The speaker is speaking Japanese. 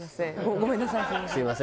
ごめんなさい。